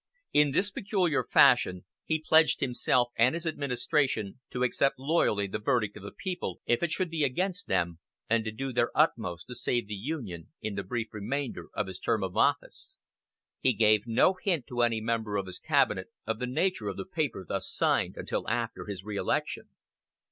In this peculiar fashion he pledged himself and his administration to accept loyally the verdict of the people if it should be against them, and to do their utmost to save the Union in the brief remainder of his term of office. He gave no hint to any member of his cabinet of the nature of the paper thus signed until after his reelection.